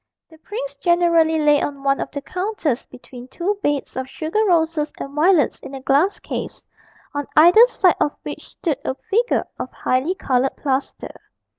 The prince generally lay on one of the counters between two beds of sugar roses and violets in a glass case, on either side of which stood a figure of highly coloured plaster.